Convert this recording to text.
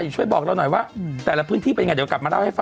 สวัสดีค่ะแม่